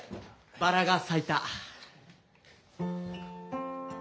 「バラが咲いた」。